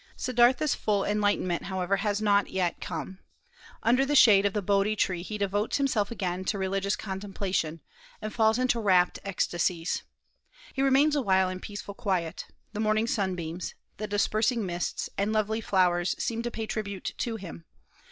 Siddârtha's full enlightenment, however, has not yet come. Under the shade of the Bôdhi tree he devotes himself again to religious contemplation, and falls into rapt ecstasies. He remains a while in peaceful quiet; the morning sunbeams, the dispersing mists, and lovely flowers seem to pay tribute to him.